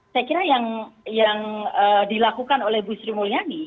saya kira yang dilakukan oleh bu sri mulyani